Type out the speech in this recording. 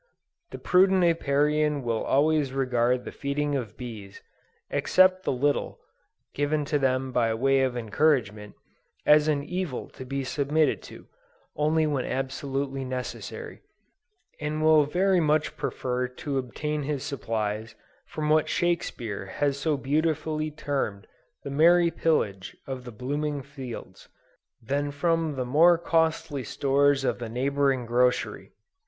The prudent Apiarian will always regard the feeding of bees, except the little, given to them by way of encouragement, as an evil to be submitted to, only when absolutely necessary; and will very much prefer to obtain his supplies from what Shakspeare has so beautifully termed the "merry pillage" of the blooming fields, than from the more costly stores of the neighboring grocery.